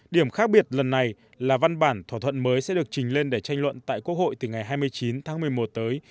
điểm khác biệt lần này là văn bản thỏa thuận mới sẽ được trình lên để tranh luận tại quốc hội từ ngày hai mươi chín tháng một mươi một tới